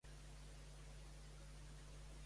Els atenencs van guanyar la batalla de Pylos?